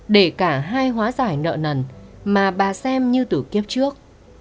để cả hai hóa giải nợ nần mà bà xem như từ kiếp trước